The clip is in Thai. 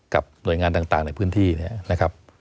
กับหน่วยงานต่างในพื้นที่นะครับ